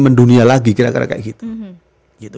mendunia lagi kira kira kayak gitu